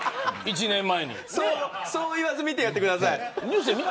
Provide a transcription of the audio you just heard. そう言わずに見てやってください。